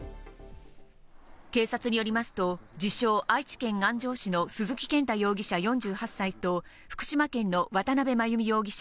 警察によりますと、自称・愛知県安城市の鈴木健太容疑者４８歳と、福島県の渡邉真由美容疑者